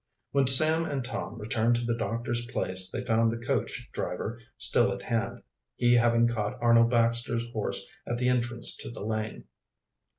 When Sam and Tom returned to the doctor's place they found the coach driver still at hand, he having caught Arnold Baxter's horse at the entrance to the lane.